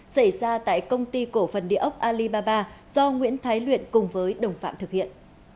xảy ra tại công ty cổ phần địa ốc alibaba do nguyễn thái luyện cùng với đồng phạm thực hiện